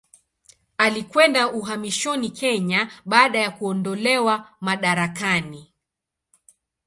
Alikwenda uhamishoni Kenya baada ya kuondolewa madarakani.